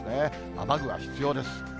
雨具は必要です。